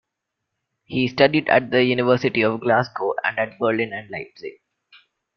He studied at the University of Glasgow and at Berlin and Leipzig.